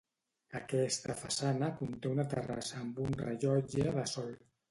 Aquesta façana conté una terrassa amb un rellotge de sol.